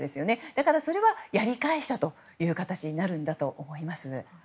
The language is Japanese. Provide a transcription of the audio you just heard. だから、それはやり返したという形になるんだと思います。